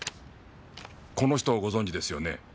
この人をご存じですよね？